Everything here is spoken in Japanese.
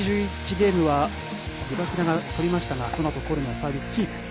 ゲームはリバキナが取りましたがそのあとコルネはサービスキープ。